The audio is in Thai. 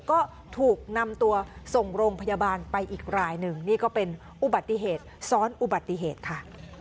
ก็ถูกนำตัวส่งโรงพยาบาลไปอีกรายหนึ่งนี่ก็เป็นอุบัติเหตุซ้อนอุบัติเหตุค่ะ